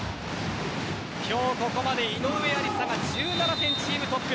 今日ここまで井上愛里沙が１７点、チームトップ。